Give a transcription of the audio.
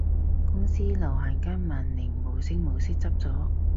公司樓下間萬寧無聲無息執咗